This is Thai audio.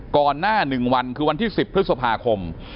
ก่อนหน้า๑วันคือวันที่๑๐พฤษภาคม